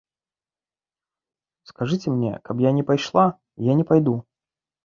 Скажыце мне, каб я не пайшла, і я не пайду.